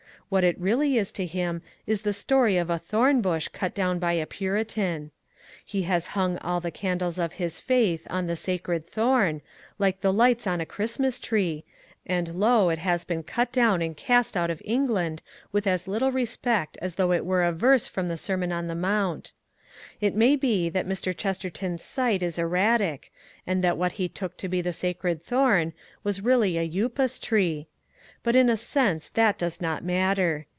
What it really is to him is the story of a thorn bush cut down by a Puritan. He has hung all the candles of his faith on the sacred thorn, like the lights on a Christmas tree, and lo! it has been cut down and cast out of England with as little respect as though it were a verse from the Sermon on the Mount. It may be that Mr. Chesterton's sight is erratic, and that what he took to be the sacred thorn was really a Upas tree. But in a sense that does not matter.